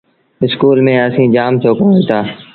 اسڪول ميݩ اسيٚݩ جآم ڇوڪرآ هوئيٚتآ۔